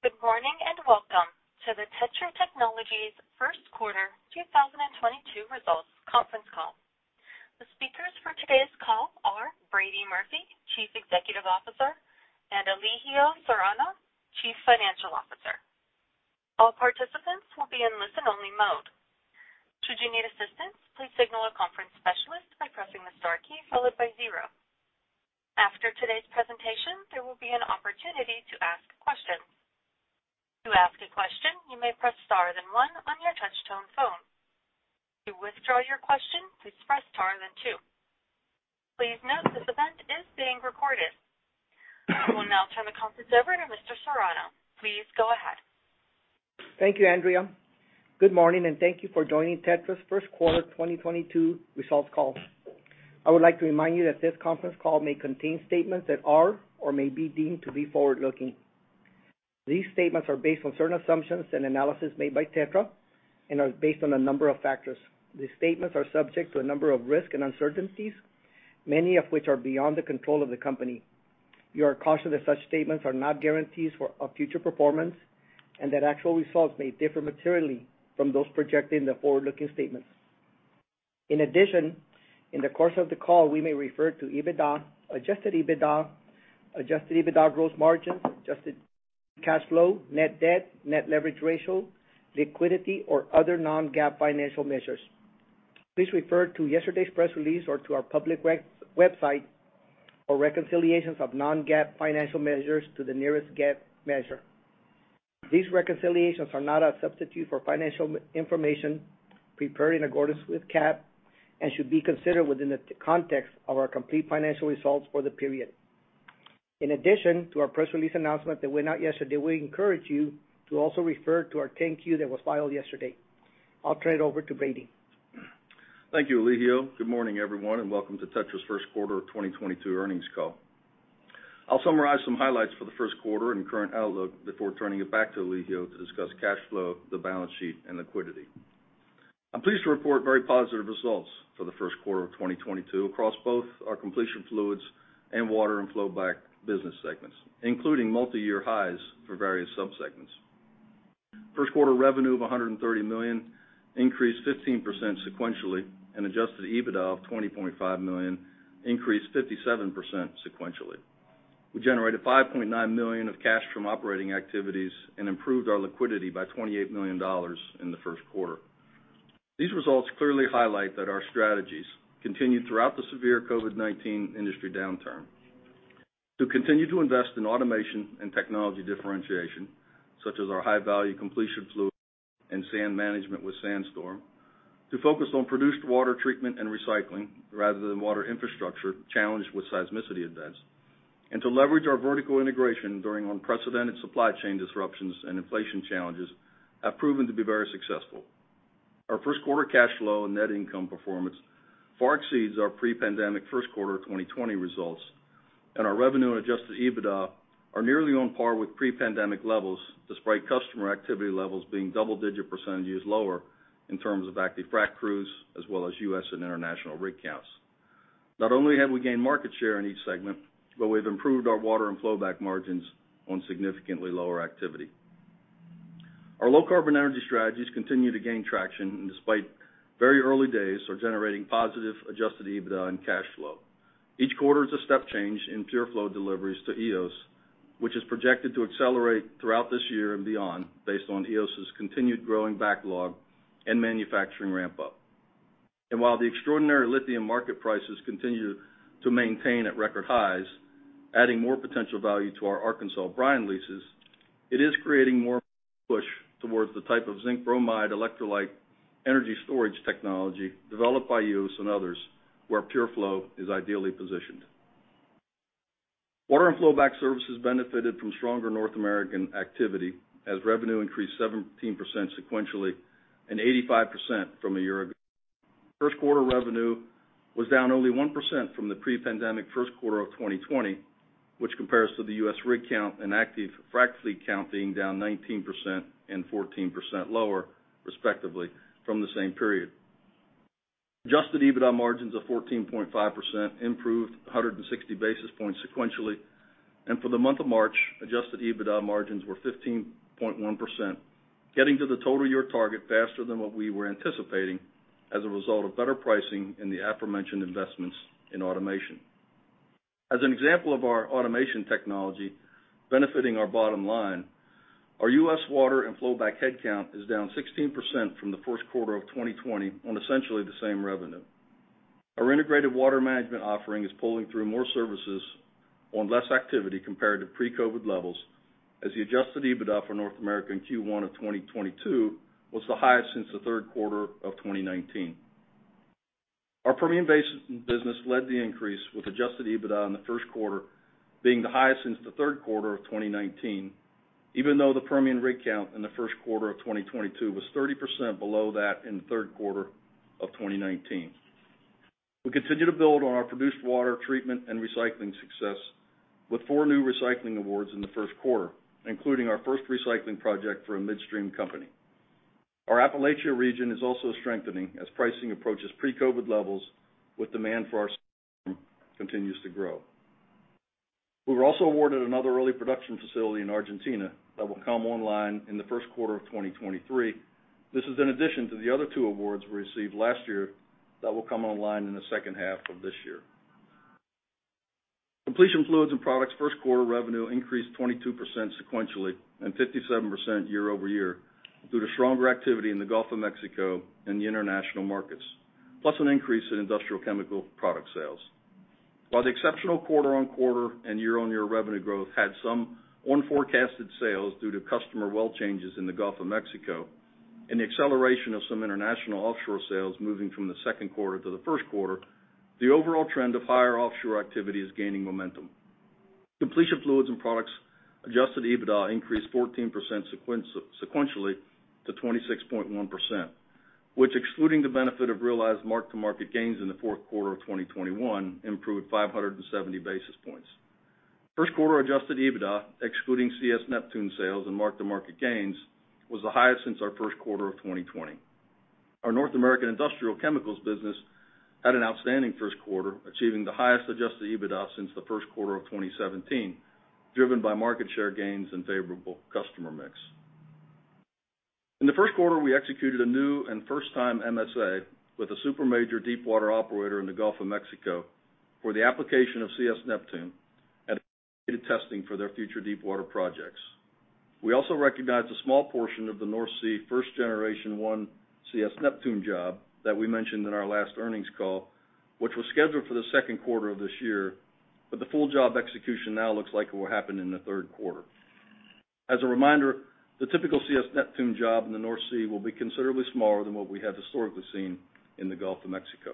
Good morning, and welcome to the TETRA Technologies Q1 2022 Results Conference Call. The speakers for today's call are Brady Murphy, Chief Executive Officer, and Elijio Serrano, Chief Financial Officer. All participants will be in listen-only mode. Should you need assistance, please signal a conference specialist by pressing the star key followed by zero. After today's presentation, there will be an opportunity to ask questions. To ask a question, you may press star then one on your touch-tone phone. To withdraw your question, please press star then two. Please note this event is being recorded. I will now turn the conference over to Mr. Serrano. Please go ahead. Thank you, Andrea. Good morning, and thank you for joining TETRA's Q1 2022 results call. I would like to remind you that this conference call may contain statements that are or may be deemed to be forward-looking. These statements are based on certain assumptions and analysis made by TETRA and are based on a number of factors. These statements are subject to a number of risks and uncertainties, many of which are beyond the control of the company. You are cautioned that such statements are not guarantees of future performance and that actual results may differ materially from those projected in the forward-looking statements. In addition, in the course of the call, we may refer to EBITDA, Adjusted EBITDA, Adjusted EBITDA gross margin, adjusted cash flow, net debt, net leverage ratio, liquidity, or other non-GAAP financial measures. Please refer to yesterday's press release or to our public website or reconciliations of non-GAAP financial measures to the nearest GAAP measure. These reconciliations are not a substitute for financial information prepared in accordance with GAAP and should be considered within the context of our complete financial results for the period. In addition to our press release announcement that went out yesterday, we encourage you to also refer to our 10-Q that was filed yesterday. I'll turn it over to Brady. Thank you, Elijio. Good morning, everyone, and welcome to TETRA's Q1 of 2022 earnings call. I'll summarize some highlights for the Q1 and current outlook before turning it back to Elijio to discuss cash flow, the balance sheet, and liquidity. I'm pleased to report very positive results for the Q1 of 2022 across both our completion fluids and water and flowback business segments, including multiyear highs for various sub-segments. Q1 revenue of $130 million increased 15% sequentially, and Adjusted EBITDA of $20.5 million increased 57% sequentially. We generated $5.9 million of cash from operating activities and improved our liquidity by $28 million in the Q1. These results clearly highlight that our strategies continued throughout the severe COVID-19 industry downturn. To continue to invest in automation and technology differentiation, such as our high-value completion fluids and sand management with SandStorm, to focus on produced water treatment and recycling rather than water infrastructure challenged with seismicity events, and to leverage our vertical integration during unprecedented supply chain disruptions and inflation challenges have proven to be very successful. Our Q1 cash flow and net income performance far exceeds our pre-pandemic Q1 of 2020 results, and our revenue and Adjusted EBITDA are nearly on par with pre-pandemic levels despite customer activity levels being double-digit percentages lower in terms of active frac crews as well as U.S. and international rig counts. Not only have we gained market share in each segment, but we've improved our water and flowback margins on significantly lower activity. Our low carbon energy strategies continue to gain traction and despite very early days are generating positive Adjusted EBITDA and cash flow. Each quarter is a step change in PureFlow deliveries to Eos, which is projected to accelerate throughout this year and beyond based on Eos's continued growing backlog and manufacturing ramp up. While the extraordinary lithium market prices continue to maintain at record highs, adding more potential value to our Arkansas brine leases, it is creating more push towards the type of zinc bromide electrolyte energy storage technology developed by Eos and others where PureFlow is ideally positioned. Water and flowback services benefited from stronger North American activity as revenue increased 17% sequentially and 85% from a year ago. Q1 revenue was down only 1% from the pre-pandemic Q1 of 2020, which compares to the U.S. rig count and active frac fleet count being down 19% and 14% lower, respectively, from the same period. Adjusted EBITDA margins of 14.5% improved 160 basis points sequentially. For the month of March, Adjusted EBITDA margins were 15.1%, getting to the total year target faster than what we were anticipating as a result of better pricing in the aforementioned investments in automation. As an example of our automation technology benefiting our bottom line, our U.S. water and flowback headcount is down 16% from the Q1 of 2020 on essentially the same revenue. Our integrated water management offering is pulling through more services on less activity compared to pre-COVID-19 levels, as the Adjusted EBITDA for North America in Q1 of 2022 was the highest since the Q3 of 2019. Our Permian Basin business led the increase, with Adjusted EBITDA in the Q1 being the highest since the Q3 of 2019, even though the Permian rig count in the Q1 of 2022 was 30% below that in the Q3 of 2019. We continue to build on our produced water treatment and recycling success with four new recycling awards in the Q1, including our first recycling project for a midstream company. Our Appalachia region is also strengthening as pricing approaches pre-COVID-19 levels with demand for ours continues to grow. We were also awarded another early production facility in Argentina that will come online in the Q1 of 2023. This is in addition to the other two awards we received last year that will come online in the second half of this year. Completion fluids and products Q1 revenue increased 22% sequentially and 57% year-over-year due to stronger activity in the Gulf of Mexico and the international markets, plus an increase in industrial chemical product sales. While the exceptional quarter-on-quarter and year-on-year revenue growth had some unforecasted sales due to customer well changes in the Gulf of Mexico and the acceleration of some international offshore sales moving from the Q2 to the Q1, the overall trend of higher offshore activity is gaining momentum. Completion fluids and products Adjusted EBITDA increased 14% sequentially to 26.1%, which, excluding the benefit of realized mark-to-market gains in the Q4 of 2021, improved 570 basis points. Q1 Adjusted EBITDA, excluding CS Neptune sales and mark-to-market gains, was the highest since our Q1 of 2020. Our North American industrial chemicals business had an outstanding Q1, achieving the highest Adjusted EBITDA since the Q1 of 2017, driven by market share gains and favorable customer mix. In the Q1, we executed a new and first-time MSA with a super major deepwater operator in the Gulf of Mexico for the application of CS Neptune and testing for their future deepwater projects. We also recognized a small portion of the North Sea first generation one CS Neptune job that we mentioned in our last earnings call, which was scheduled for the Q2 of this year, but the full job execution now looks like it will happen in the Q3. As a reminder, the typical CS Neptune job in the North Sea will be considerably smaller than what we have historically seen in the Gulf of Mexico.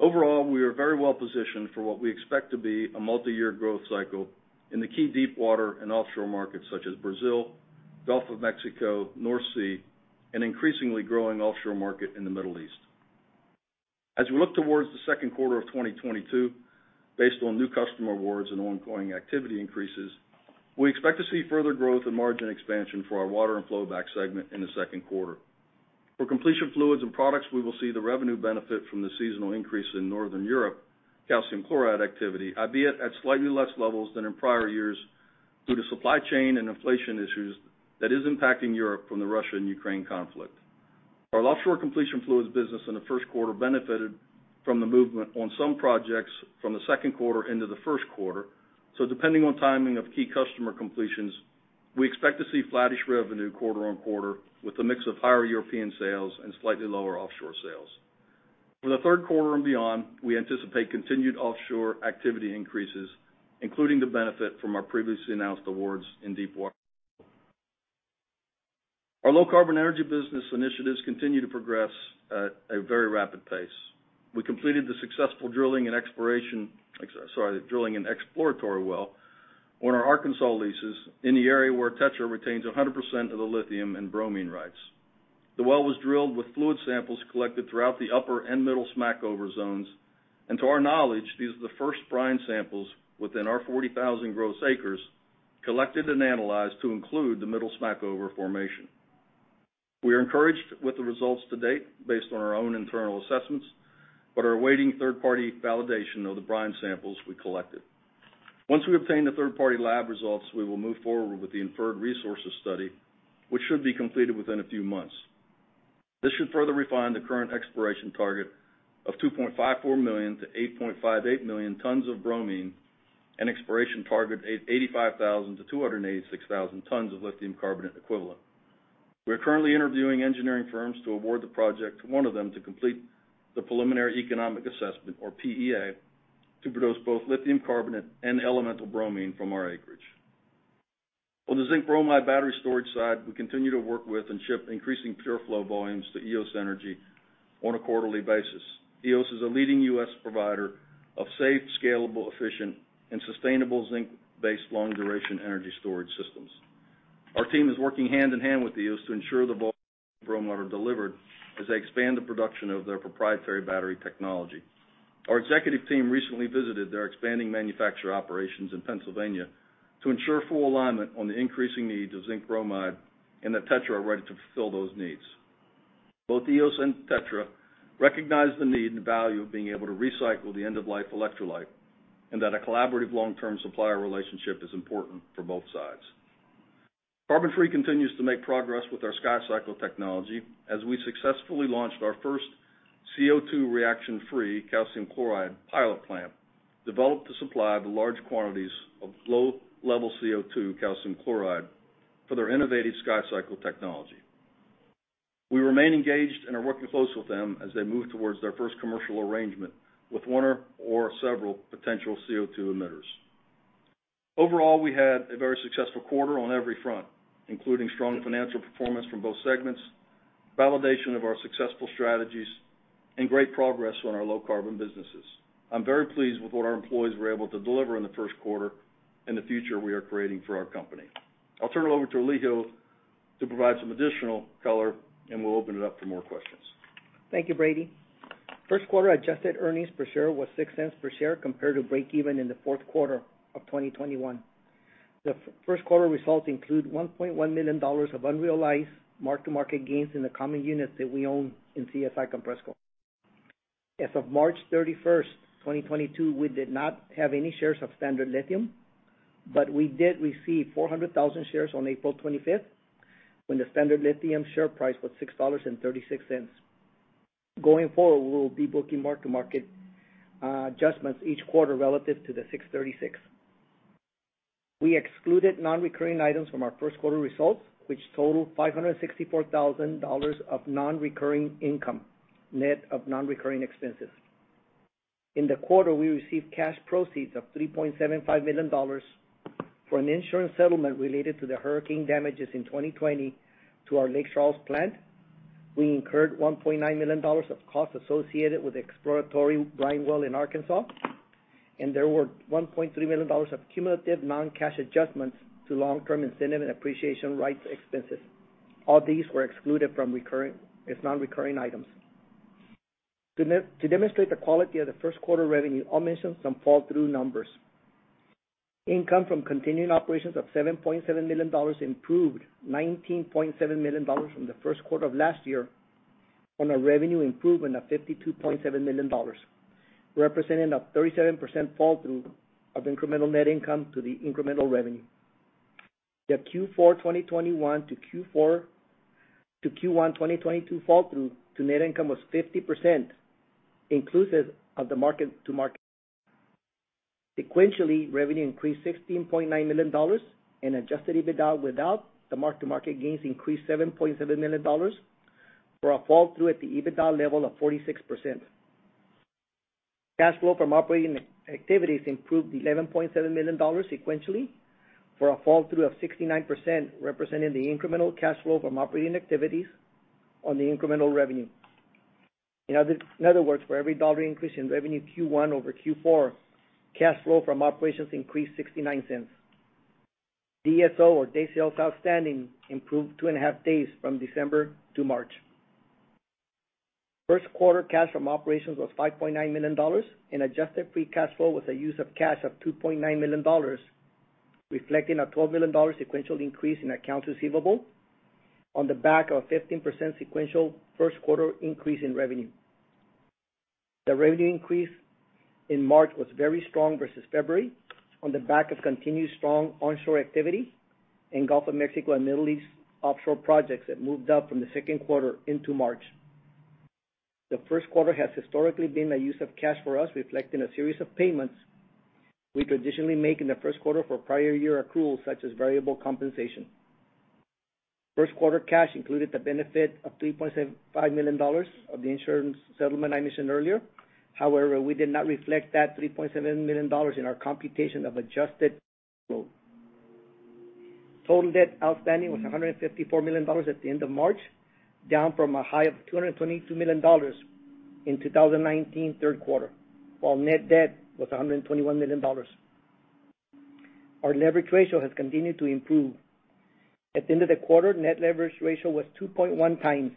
Overall, we are very well positioned for what we expect to be a multiyear growth cycle in the key deepwater and offshore markets such as Brazil, Gulf of Mexico, North Sea, and increasingly growing offshore market in the Middle East. As we look towards the Q2 of 2022, based on new customer awards and ongoing activity increases, we expect to see further growth and margin expansion for our water and flowback segment in the Q2. For completion fluids and products, we will see the revenue benefit from the seasonal increase in Northern Europe calcium chloride activity, albeit at slightly less levels than in prior years due to supply chain and inflation issues that is impacting Europe from the Russia and Ukraine conflict. Our offshore completion fluids business in the Q1 benefited from the movement on some projects from the Q2 into the Q1. Depending on timing of key customer completions, we expect to see flattish revenue quarter-over-quarter with a mix of higher European sales and slightly lower offshore sales. For the Q3 and beyond, we anticipate continued offshore activity increases, including the benefit from our previously announced awards in deepwater. Our low carbon energy business initiatives continue to progress at a very rapid pace. We completed the successful drilling and exploratory well on our Arkansas leases in the area where TETRA retains 100% of the lithium and bromine rights. The well was drilled with fluid samples collected throughout the upper and middle Smackover zones. To our knowledge, these are the first brine samples within our 40,000 gross acres collected and analyzed to include the middle Smackover formation. We are encouraged with the results to date based on our own internal assessments, but are awaiting third-party validation of the brine samples we collected. Once we obtain the third-party lab results, we will move forward with the inferred resources study, which should be completed within a few months. This should further refine the current exploration target of 2.54 million-8.58 million tons of bromine and exploration target 885,000-286,000 tons of lithium carbonate equivalent. We are currently interviewing engineering firms to award the project to one of them to complete the preliminary economic assessment or PEA to produce both lithium carbonate and elemental bromine from our acreage. On the zinc bromide battery storage side, we continue to work with and ship increasing PureFlow volumes to Eos Energy on a quarterly basis. Eos is a leading U.S. provider of safe, scalable, efficient, and sustainable zinc-based long duration energy storage systems. Our team is working hand in hand with Eos to ensure the bromide are delivered as they expand the production of their proprietary battery technology. Our executive team recently visited their expanding manufacturer operations in Pennsylvania to ensure full alignment on the increasing needs of zinc bromide and that TETRA are ready to fulfill those needs. Both Eos and TETRA recognize the need and value of being able to recycle the end-of-life electrolyte, and that a collaborative long-term supplier relationship is important for both sides. CarbonFree continues to make progress with our SkyCycle technology as we successfully launched our first CO2 reaction-free calcium chloride pilot plant, developed to supply the large quantities of low-level CO2 calcium chloride for their innovative SkyCycle technology. We remain engaged and are working close with them as they move towards their first commercial arrangement with one or several potential CO2 emitters. Overall, we had a very successful quarter on every front, including strong financial performance from both segments, validation of our successful strategies, and great progress on our low carbon businesses. I'm very pleased with what our employees were able to deliver in the Q1 and the future we are creating for our company. I'll turn it over to Elijio to provide some additional color, and we'll open it up for more questions. Thank you, Brady. Q1 adjusted earnings per share was $0.06 per share compared to breakeven in the Q4 of 2021. Q1 results include $1.1 million of unrealized mark-to-market gains in the common units that we own in CSI Compressco. As of March 31st, 2022, we did not have any shares of Standard Lithium, but we did receive 400,000 shares on April 25th, when the Standard Lithium share price was $6.36. Going forward, we will be booking mark-to-market adjustments each quarter relative to the $6.36. We excluded non-recurring items from our Q1 results, which totaled $564,000 of non-recurring income, net of non-recurring expenses. In the quarter, we received cash proceeds of $3.75 million for an insurance settlement related to the hurricane damages in 2020 to our Lake Charles plant. We incurred $1.9 million of costs associated with the exploratory brine well in Arkansas, and there were $1.3 million of cumulative non-cash adjustments to long-term incentive and appreciation rights expenses. All these were excluded from recurring as non-recurring items. To demonstrate the quality of the Q1 revenue, I'll mention some flow-through numbers. Income from continuing operations of $7.7 million improved $19.7 million from the Q1 of last year on a revenue improvement of $52.7 million, representing a 37% flow-through of incremental net income to the incremental revenue. The Q4 2021 to Q1 2022 flow-through to net income was 50%, inclusive of the mark-to-market. Sequentially, revenue increased $16.9 million and Adjusted EBITDA without the mark-to-market gains increased $7.7 million for a flow-through at the EBITDA level of 46%. Cash flow from operating activities improved $11.7 million sequentially for a flow-through of 69%, representing the incremental cash flow from operating activities on the incremental revenue. In other words, for every dollar increase in revenue Q1 over Q4, cash flow from operations increased $0.69. DSO, or days sales outstanding, improved 2.5 days from December to March. Q1 cash from operations was $5.9 million and adjusted free cash flow was a use of cash of $2.9 million, reflecting a $12 million sequential increase in accounts receivable on the back of a 15% sequential Q1 increase in revenue. The revenue increase in March was very strong versus February on the back of continued strong onshore activity in Gulf of Mexico and Middle East offshore projects that moved up from the Q2 into March. The Q1 has historically been a use of cash for us, reflecting a series of payments we traditionally make in the Q1 for prior year accruals, such as variable compensation. Q1 cash included the benefit of $3.75 million of the insurance settlement I mentioned earlier. However, we did not reflect that $3.7 million in our computation of adjusted cash flow. Total debt outstanding was $154 million at the end of March, down from a high of $222 million in 2019 Q3, while net debt was $121 million. Our leverage ratio has continued to improve. At the end of the quarter, net leverage ratio was 2.1x,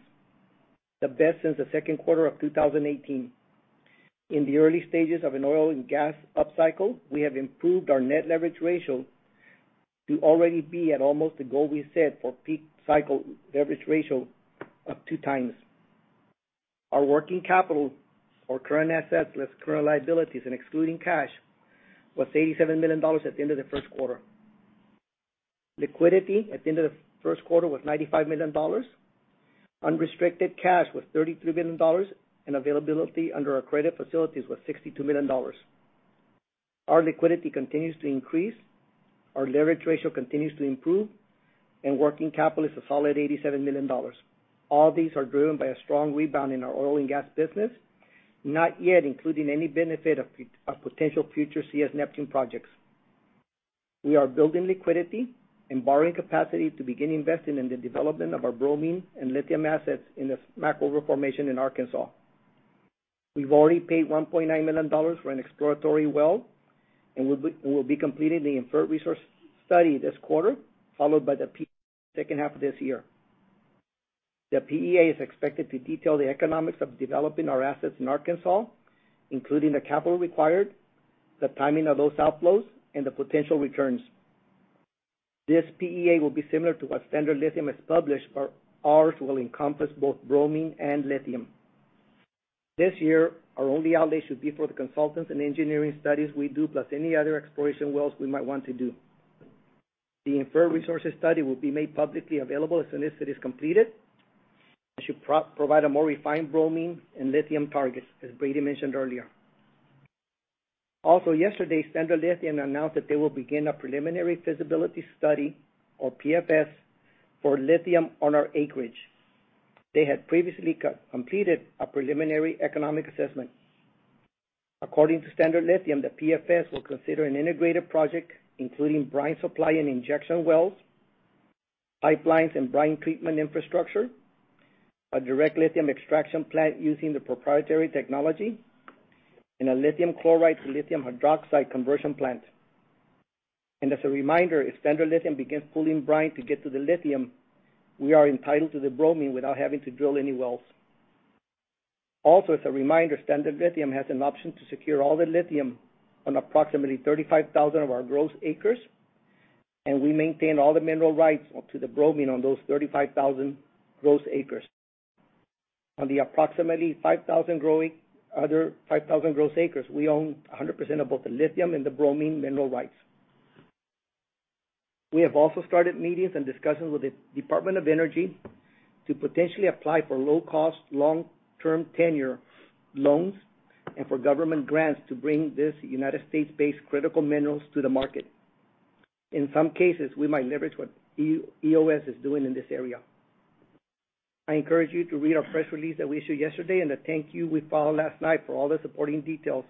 the best since the Q2 of 2018. In the early stages of an oil and gas upcycle, we have improved our net leverage ratio to already be at almost the goal we set for peak cycle leverage ratio of 2x. Our working capital, or current assets less current liabilities and excluding cash, was $87 million at the end of the Q1. Liquidity at the end of the Q1 was $95 million. Unrestricted cash was $33 million, and availability under our credit facilities was $62 million. Our liquidity continues to increase, our leverage ratio continues to improve, and working capital is a solid $87 million. All these are driven by a strong rebound in our oil and gas business, not yet including any benefit of potential future CS Neptune projects. We are building liquidity and borrowing capacity to begin investing in the development of our bromine and lithium assets in the Smackover formation in Arkansas. We've already paid $1.9 million for an exploratory well, and we'll be completing the inferred resource study this quarter, followed by the PEA in the second half of this year. The PEA is expected to detail the economics of developing our assets in Arkansas, including the capital required, the timing of those outflows, and the potential returns. This PEA will be similar to what Standard Lithium has published, but ours will encompass both bromine and lithium. This year, our only outlay should be for the consultants and engineering studies we do, plus any other exploration wells we might want to do. The inferred resources study will be made publicly available as soon as it is completed, and should provide a more refined bromine and lithium targets, as Brady mentioned earlier. Also, yesterday, Standard Lithium announced that they will begin a Preliminary Feasibility Study, or PFS, for lithium on our acreage. They had previously completed a preliminary economic assessment. According to Standard Lithium, the PFS will consider an integrated project, including brine supply and injection wells, pipelines and brine treatment infrastructure, a direct lithium extraction plant using the proprietary technology, and a lithium chloride to lithium hydroxide conversion plant. As a reminder, if Standard Lithium begins pulling brine to get to the lithium, we are entitled to the bromine without having to drill any wells. Also, as a reminder, Standard Lithium has an option to secure all the lithium on approximately 35,000 of our gross acres, and we maintain all the mineral rights to the bromine on those 35,000 gross acres. On the approximately 5,000 gross acres, we own 100% of both the lithium and the bromine mineral rights. We have also started meetings and discussions with the Department of Energy to potentially apply for low-cost, long-term tenor loans and for government grants to bring this U.S.-based critical minerals to the market. In some cases, we might leverage what Eos is doing in this area. I encourage you to read our press release that we issued yesterday and the 10-Q we filed last night for all the supporting details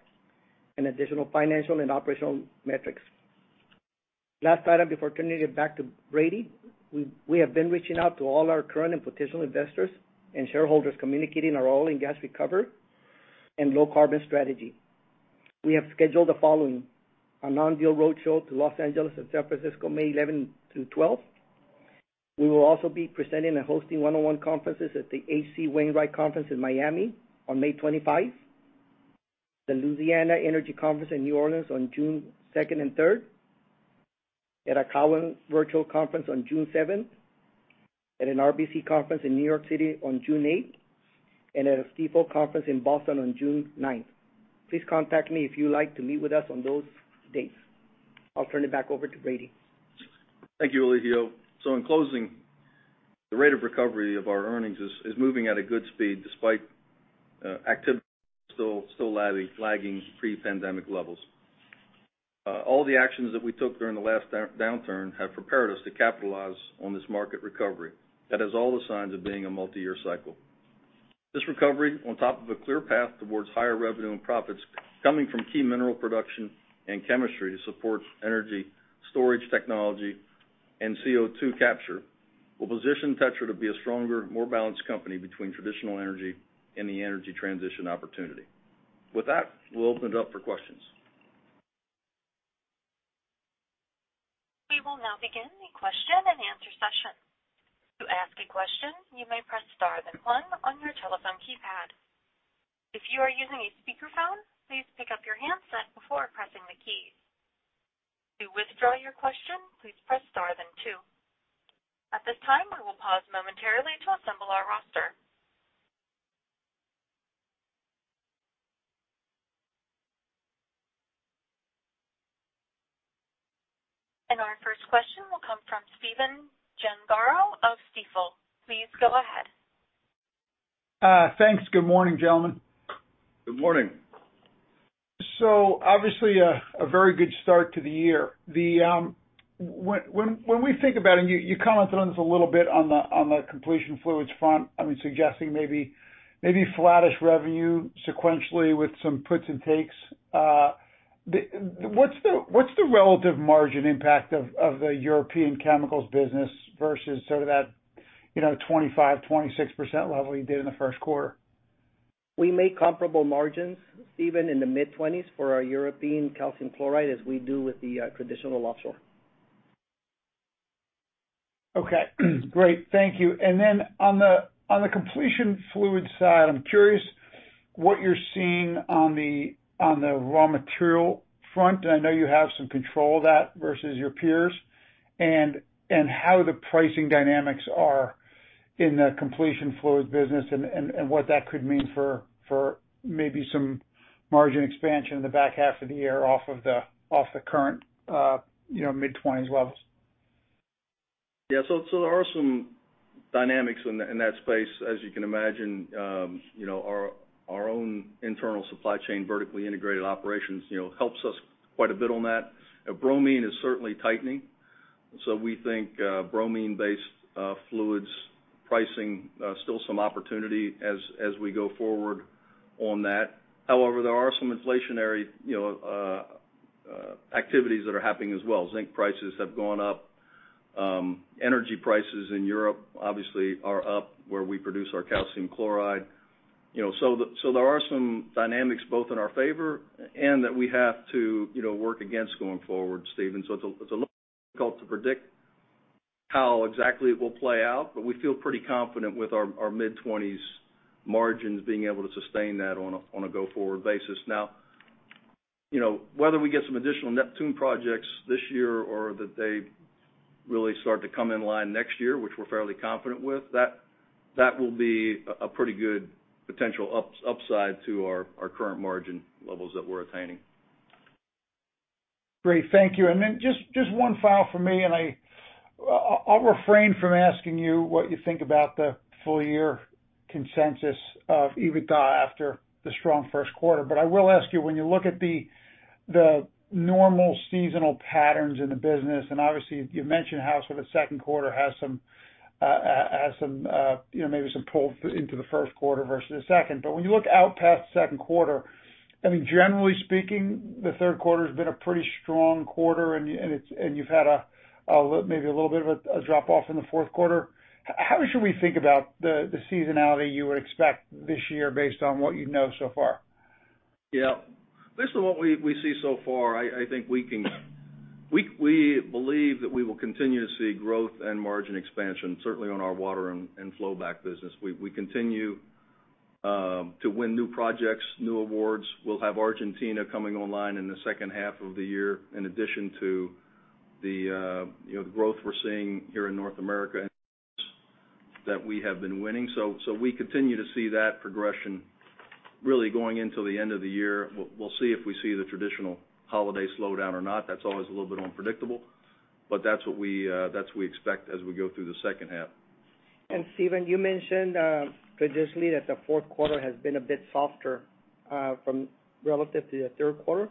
and additional financial and operational metrics. Last item before turning it back to Brady. We have been reaching out to all our current and potential investors and shareholders communicating our oil and gas recovery and low-carbon strategy. We have scheduled the following, a non-deal roadshow to Los Angeles and San Francisco, May 11-12. We will also be presenting and hosting one-on-one conferences at the H.C. Wainwright Conference in Miami on May 25, the Louisiana Energy Conference in New Orleans on June 2nd and 3rd, at a Cowen virtual conference on June 7, at an RBC conference in New York City on June 8, and at a Stifel conference in Boston on June 9. Please contact me if you like to meet with us on those dates. I'll turn it back over to Brady. Thank you, Elijio. In closing, the rate of recovery of our earnings is moving at a good speed despite activity still lagging pre-pandemic levels. All the actions that we took during the last downturn have prepared us to capitalize on this market recovery that has all the signs of being a multiyear cycle. This recovery, on top of a clear path towards higher revenue and profits coming from key mineral production and chemistry to support energy storage technology and CO2 capture, will position TETRA to be a stronger, more balanced company between traditional energy and the energy transition opportunity. With that, we'll open it up for questions. We will now begin the question and answer session. To ask a question, you may press star then one on your telephone keypad. If you are using a speakerphone, please pick up your handset before pressing the keys. To withdraw your question, please press star then two. At this time, we will pause momentarily to assemble our roster. Our first question will come from Stephen Gengaro of Stifel. Please go ahead. Thanks. Good morning, gentlemen. Good morning. Obviously a very good start to the year. When we think about it, you commented on this a little bit on the completion fluids front, I mean, suggesting maybe flattish revenue sequentially with some puts and takes. What's the relative margin impact of the European chemicals business versus sort of that, you know, 25%-26% level you did in the Q1? We make comparable margins even in the mid-20s for our European calcium chloride as we do with the traditional offshore. Okay. Great. Thank you. On the completion fluid side, I'm curious what you're seeing on the raw material front, and I know you have some control of that versus your peers, and what that could mean for maybe some margin expansion in the back half of the year off of the current, you know, mid-20s levels. Yeah. There are some dynamics in that space, as you can imagine. You know, our own internal supply chain, vertically integrated operations, you know, helps us quite a bit on that. Bromine is certainly tightening. We think bromine-based fluids pricing still some opportunity as we go forward on that. However, there are some inflationary activities that are happening as well. Zinc prices have gone up. Energy prices in Europe obviously are up where we produce our calcium chloride. You know, there are some dynamics both in our favor and that we have to, you know, work against going forward, Stephen. It's a little difficult to predict how exactly it will play out, but we feel pretty confident with our mid-20s margins being able to sustain that on a go-forward basis. Now, you know, whether we get some additional Neptune projects this year or that they really start to come in line next year, which we're fairly confident with, that will be a pretty good potential upside to our current margin levels that we're attaining. Great. Thank you. Then just one final from me, and I’ll refrain from asking you what you think about the full year consensus of EBITDA after the strong Q1. I will ask you, when you look at the normal seasonal patterns in the business, and obviously you mentioned how sort of Q2 has some, you know, maybe some pull-forward into the Q1 versus the Q2. When you look out past Q2, I mean, generally speaking, the Q3 has been a pretty strong quarter, and you’ve had maybe a little bit of a drop off in the Q4. How should we think about the seasonality you would expect this year based on what you know so far? Yeah. Based on what we see so far, I think we believe that we will continue to see growth and margin expansion, certainly on our water and flowback business. We continue to win new projects, new awards. We'll have Argentina coming online in the second half of the year in addition to the you know, the growth we're seeing here in North America that we have been winning. We continue to see that progression really going into the end of the year. We'll see if we see the traditional holiday slowdown or not. That's always a little bit unpredictable. But that's what we expect as we go through the second half. Stephen, you mentioned traditionally that the Q4 has been a bit softer relative to the Q3.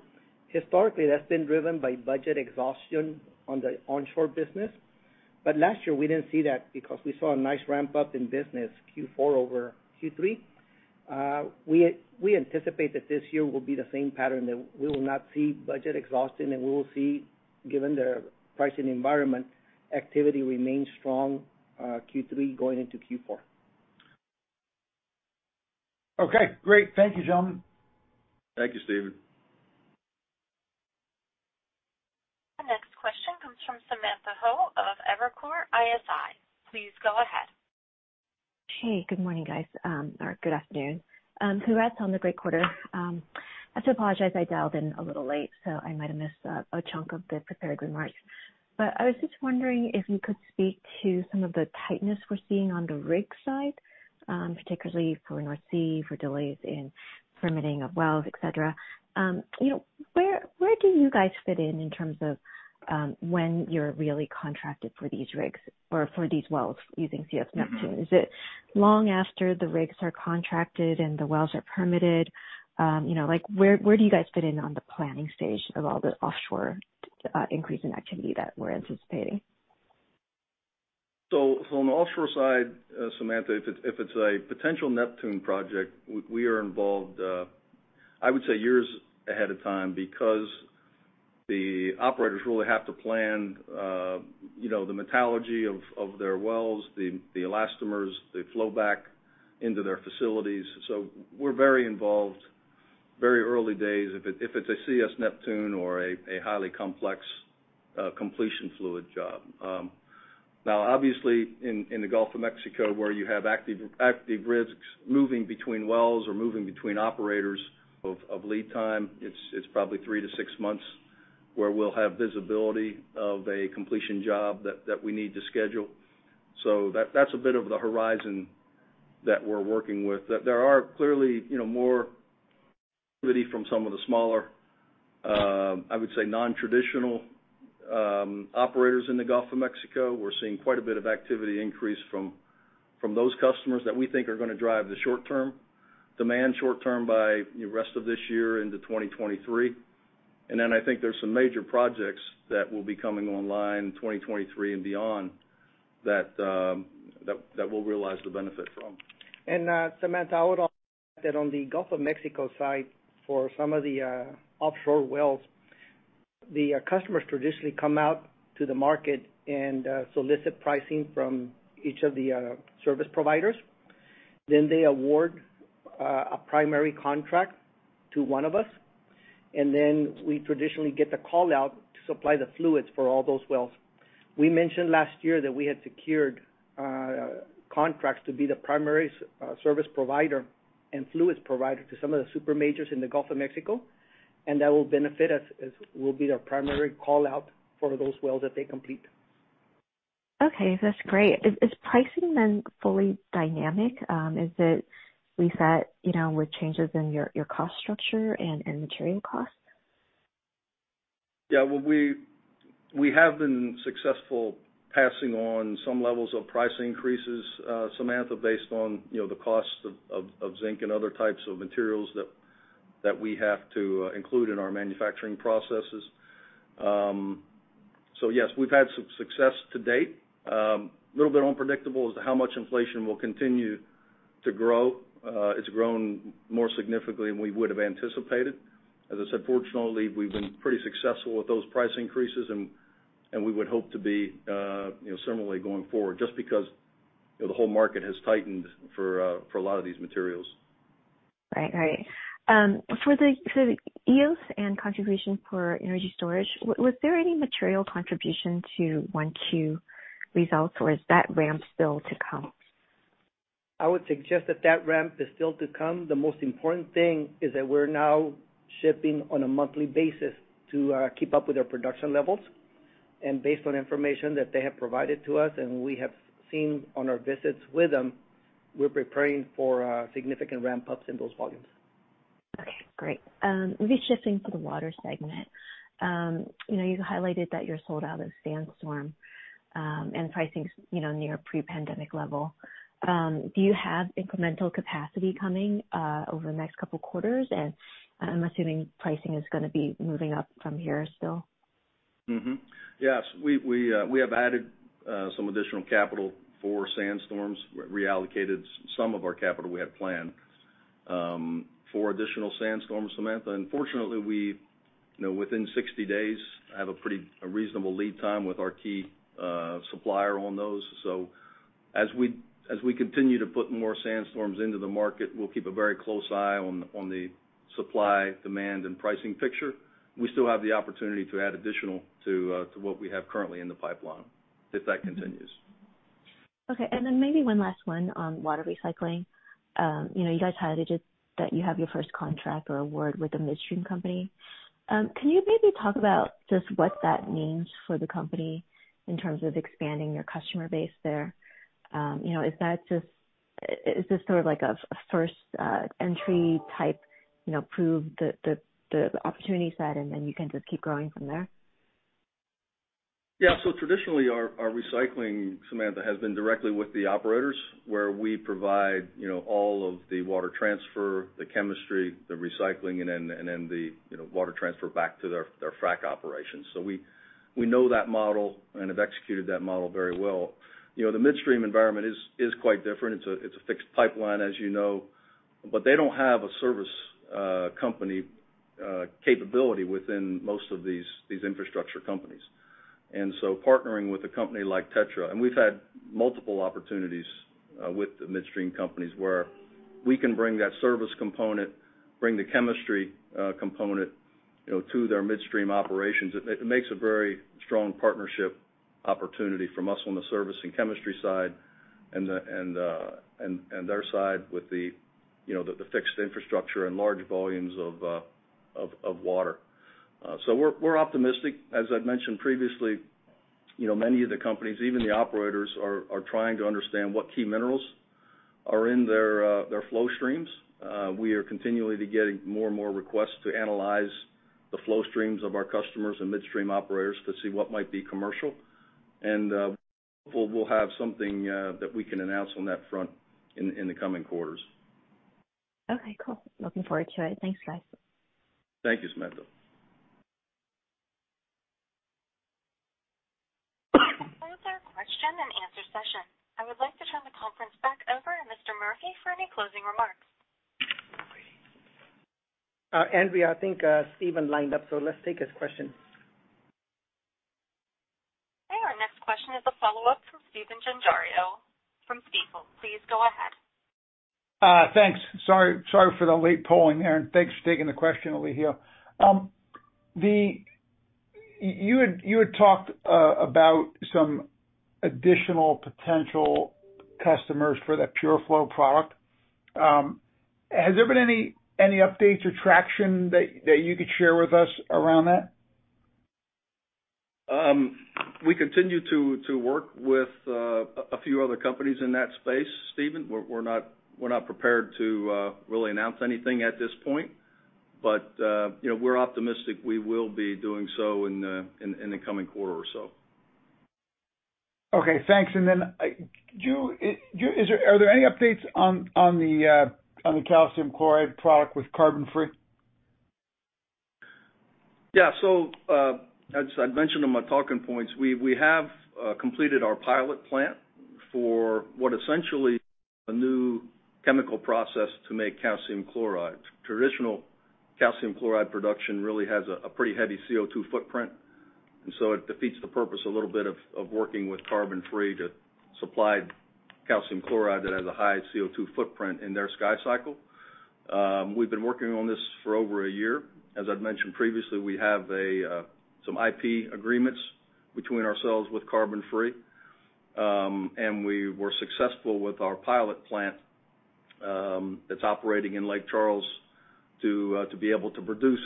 Historically, that's been driven by budget exhaustion on the onshore business. Last year, we didn't see that because we saw a nice ramp-up in business Q4 over Q3. We anticipate that this year will be the same pattern, that we will not see budget exhaustion, and we will see, given the pricing environment, activity remain strong Q3 going into Q4. Okay, great. Thank you, gentlemen. Thank you, Stephen. The next question comes from Samantha Hoh of Evercore ISI. Please go ahead. Hey, good morning, guys, or good afternoon. Congrats on the great quarter. I have to apologize, I dialed in a little late, so I might have missed a chunk of the prepared remarks. I was just wondering if you could speak to some of the tightness we're seeing on the rig side, particularly for North Sea, for delays in permitting of wells, et cetera. You know, where do you guys fit in in terms of, when you're really contracted for these rigs or for these wells using CS Neptune? Is it long after the rigs are contracted and the wells are permitted? You know, like where do you guys fit in on the planning stage of all the offshore increase in activity that we're anticipating? On the offshore side, Samantha, if it's a potential CS Neptune project, we are involved, I would say years ahead of time because the operators really have to plan, you know, the metallurgy of their wells, the elastomers, the flowback into their facilities. We're very involved very early days if it's a CS Neptune or a highly complex completion fluid job. Now, obviously in the Gulf of Mexico, where you have active rigs moving between wells or moving between operators. Of lead time, it's probably three to six months where we'll have visibility of a completion job that we need to schedule. That's a bit of the horizon that we're working with. There are clearly, you know, more from some of the smaller, I would say, non-traditional, operators in the Gulf of Mexico. We're seeing quite a bit of activity increase from those customers that we think are gonna drive the short-term demand by the rest of this year into 2023. Then I think there's some major projects that will be coming online in 2023 and beyond that we'll realize the benefit from. Samantha, I would add that on the Gulf of Mexico side, for some of the offshore wells, the customers traditionally come out to the market and solicit pricing from each of the service providers. Then they award a primary contract to one of us, and then we traditionally get the call-out to supply the fluids for all those wells. We mentioned last year that we had secured contracts to be the primary service provider and fluids provider to some of the super majors in the Gulf of Mexico, and that will benefit us as we'll be their primary call-out for those wells that they complete. Okay, that's great. Is pricing then fully dynamic? Is it reset, you know, with changes in your cost structure and material costs? Yeah. Well, we have been successful passing on some levels of price increases, Samantha, based on, you know, the cost of zinc and other types of materials that we have to include in our manufacturing processes. Yes, we've had some success to date. A little bit unpredictable as to how much inflation will continue to grow. It's grown more significantly than we would've anticipated. As I said, fortunately, we've been pretty successful with those price increases, and we would hope to be, you know, similarly going forward just because, you know, the whole market has tightened for a lot of these materials. Right, for the Eos and contribution for energy storage, was there any material contribution to Q1 results, or is that ramp still to come? I would suggest that ramp is still to come. The most important thing is that we're now shipping on a monthly basis to keep up with their production levels. Based on information that they have provided to us and we have seen on our visits with them, we're preparing for significant ramp-ups in those volumes. Okay, great. Maybe shifting to the water segment. You know, you highlighted that you're sold out of SandStorm, and pricing's, you know, near pre-pandemic level. Do you have incremental capacity coming over the next couple quarters? I'm assuming pricing is gonna be moving up from here still. Yes. We have added some additional capital for SandStorm. We reallocated some of our capital we had planned for additional SandStorm, Samantha. Fortunately, within 60 days we have a pretty reasonable lead time with our key supplier on those. As we continue to put more SandStorm into the market, we'll keep a very close eye on the supply, demand, and pricing picture. We still have the opportunity to add additional to what we have currently in the pipeline, if that continues. Okay. Then maybe one last one on water recycling. You know, you guys highlighted that you have your first contract or award with a midstream company. Can you maybe talk about just what that means for the company in terms of expanding your customer base there? You know, is that just, is this sort of like a first entry type, you know, prove the opportunity set and then you can just keep growing from there? Yeah. Traditionally our recycling, Samantha, has been directly with the operators where we provide, you know, all of the water transfer, the chemistry, the recycling and then the, you know, water transfer back to their frac operations. We know that model and have executed that model very well. You know, the midstream environment is quite different. It's a fixed pipeline, as you know, but they don't have a service company capability within most of these infrastructure companies. Partnering with a company like TETRA, and we've had multiple opportunities with the midstream companies where we can bring that service component, bring the chemistry component, you know, to their midstream operations. It makes a very strong partnership opportunity for us on the service and chemistry side and their side with the, you know, the fixed infrastructure and large volumes of water. So we're optimistic. As I'd mentioned previously, you know, many of the companies, even the operators, are trying to understand what key minerals are in their flow streams. We are continually getting more and more requests to analyze the flow streams of our customers and midstream operators to see what might be commercial. We'll have something that we can announce on that front in the coming quarters. Okay, cool. Looking forward to it. Thanks, guys. Thank you, Samantha. That was our question and answer session. I would like to turn the conference back over to Mr. Murphy for any closing remarks. Andrea, I think Stephen lined up, so let's take his question. Okay. Our next question is a follow-up from Stephen Gengaro from Stifel. Please go ahead. Thanks. Sorry for the late polling, Andrea. Thanks for taking the question, Elijio. You had talked about some additional potential customers for that PureFlow product. Has there been any updates or traction that you could share with us around that? We continue to work with a few other companies in that space, Stephen. We're not prepared to really announce anything at this point, but you know, we're optimistic we will be doing so in the coming quarter or so. Okay, thanks. Are there any updates on the calcium chloride product with CarbonFree? Yeah. As I'd mentioned in my talking points, we have completed our pilot plant for what essentially a new chemical process to make calcium chloride. Traditional calcium chloride production really has a pretty heavy CO2 footprint, and so it defeats the purpose a little bit of working with CarbonFree to supply calcium chloride that has a high CO2 footprint in their SkyCycle. We've been working on this for over a year. As I'd mentioned previously, we have some IP agreements between ourselves with CarbonFree. We were successful with our pilot plant that's operating in Lake Charles to be able to produce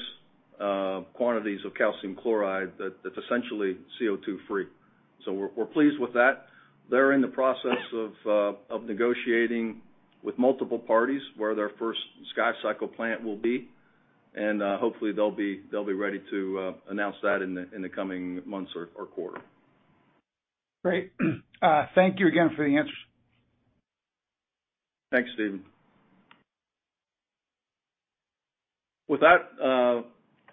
quantities of calcium chloride that's essentially CO2 free. We're pleased with that. They're in the process of negotiating with multiple parties where their first SkyCycle plant will be, and hopefully they'll be ready to announce that in the coming months or quarter. Great. Thank you again for the answer. Thanks, Stephen. With that,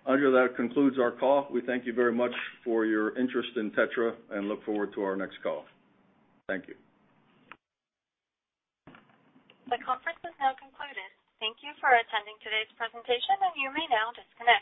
Andrea, that concludes our call. We thank you very much for your interest in TETRA and look forward to our next call. Thank you. The conference has now concluded. Thank you for attending today's presentation, and you may now disconnect.